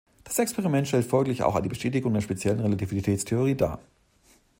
Das Experiment stellt folglich auch eine Bestätigung der Speziellen Relativitätstheorie dar.